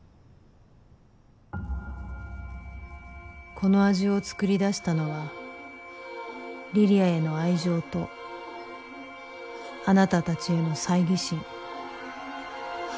この味を作り出したのは梨里杏への愛情とあなた達への猜疑心